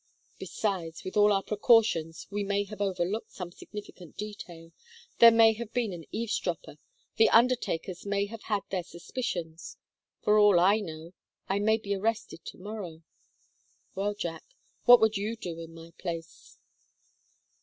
Besides, with all our precautions, we may have overlooked some significant detail, there may have been an eavesdropper, the undertakers may have had their suspicions for all I know I may be arrested to morrow well, Jack, what would you do in my place?"